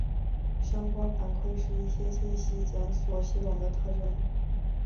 相关反馈是一些信息检索系统的特征。